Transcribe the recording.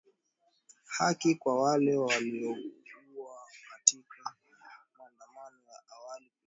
Haki kwa wale waliouawa katika maandamano ya awali kulingana na madaktari